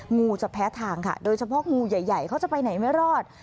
งูจะแพ้ทางค่ะโดยเฉพาะงูใหญ่เขาจะไปไหนไม่รอด